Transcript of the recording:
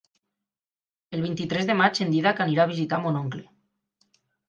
El vint-i-tres de maig en Dídac anirà a visitar mon oncle.